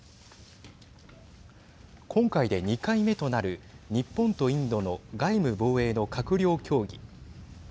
今回で２回目となる日本とインドの外務・防衛の閣僚協議。